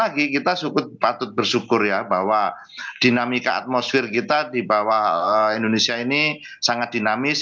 lagi kita patut bersyukur ya bahwa dinamika atmosfer kita di bawah indonesia ini sangat dinamis